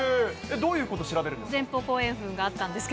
どういうこと調べるんですか？